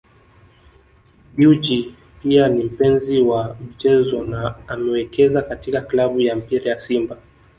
Dewji pia ni mpenzi wa michezo na amewekeza katika klabu ya mpira ya Simba